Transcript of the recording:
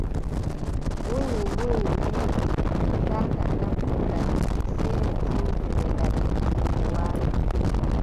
Munyi, munyi, wiʼi gudiijo : taataa tappu laɓi ki, sey mi tindine laɓi am no waari.